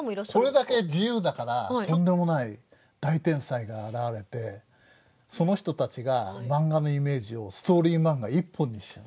これだけ自由だからとんでもない大天才が現れてその人たちがマンガのイメージをストーリーマンガ一本にしちゃう。